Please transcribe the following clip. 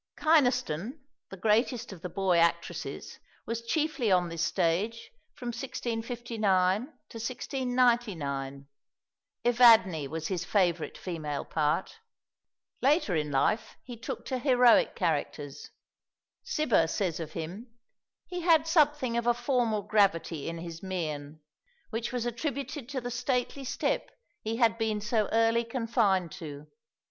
Kynaston, the greatest of the "boy actresses," was chiefly on this stage from 1659 to 1699. Evadne was his favourite female part. Later in life he took to heroic characters. Cibber says of him: "He had something of a formal gravity in his mien, which was attributed to the stately step he had been so early confined to.